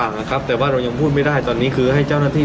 นะครับแต่ว่าเรายังพูดไม่ได้ตอนนี้คือให้เจ้าหน้าที่